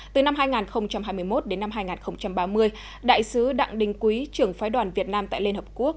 từ năm hai nghìn hai mươi một đến năm hai nghìn ba mươi đại sứ đặng đình quý trưởng phái đoàn việt nam tại liên hợp quốc